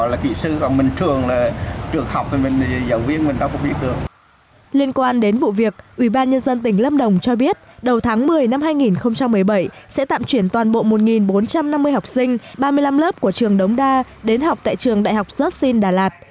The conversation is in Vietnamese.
liên quan đến vụ việc ubnd tỉnh lâm đồng cho biết đầu tháng một mươi năm hai nghìn một mươi bảy sẽ tạm chuyển toàn bộ một bốn trăm năm mươi học sinh ba mươi năm lớp của trường đống đa đến học tại trường đại học zassin đà lạt